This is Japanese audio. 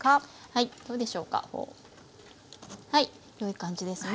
はいよい感じですね。